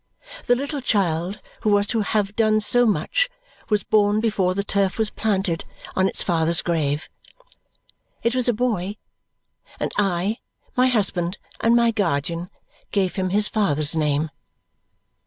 The little child who was to have done so much was born before the turf was planted on its father's grave. It was a boy; and I, my husband, and my guardian gave him his father's name.